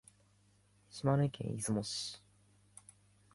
島根県出雲市